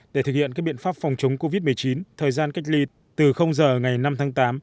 để thực hiện các biện pháp phòng chống covid một mươi chín thời gian cách ly từ giờ ngày năm tháng tám